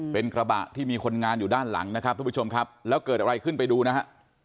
เป็นกระบะที่มีคนงานอยู่ด้านหลังนะครับทุกผู้ชมครับแล้วเกิดอะไรขึ้นไปดูนะฮะ